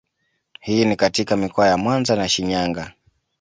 Hii ni katika mikoa ya Mwanza na Shinyanga